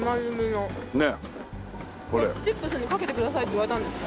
チップスにかけてくださいって言われたんですか？